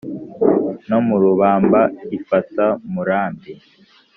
no mu rubumba ifata murambi